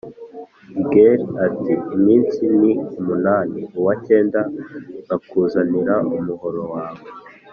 Gigeli ati iminsi ni umunani, uwa cyenda, nkakuzanira umuhoro wawe